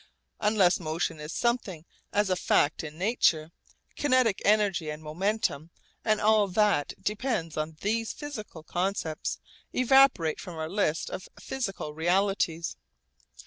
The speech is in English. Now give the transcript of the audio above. Unless motion is something as a fact in nature, kinetic energy and momentum and all that depends on these physical concepts evaporate from our list of physical realities.